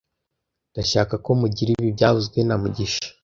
Ndashaka ko mugira ibi byavuzwe na mugisha